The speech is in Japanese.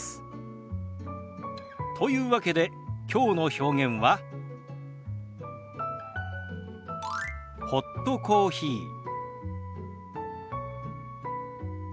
というわけできょうの表現は「ホットコーヒー」。